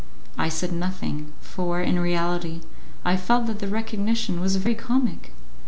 I said nothing, for, in reality, I felt that the recognition was very comic.